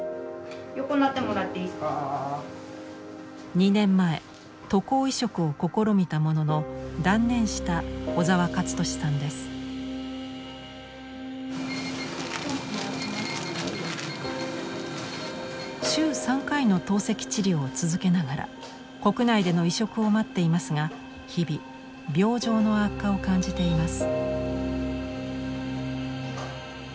２年前渡航移植を試みたものの断念した週３回の透析治療を続けながら国内での移植を待っていますが日々病状の悪化を感じています。